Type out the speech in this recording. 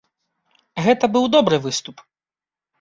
Гэта быў добры выступ.